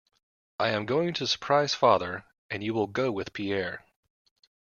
I am going to surprise father, and you will go with Pierre.